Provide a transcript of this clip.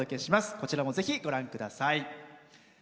こちらも、ぜひご覧ください。